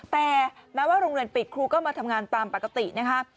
แต่แม้ว่าโรงเรียนปิดครูก็มาทำงานตามปกตินะคะ